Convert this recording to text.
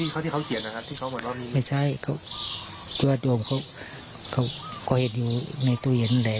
เขาไม่เคยบอกไปแทนออก